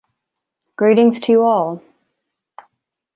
Greetings to you all!